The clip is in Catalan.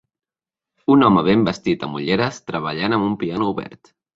Un home ben vestit amb ulleres treballant amb un piano obert.